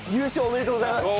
おめでとうございます。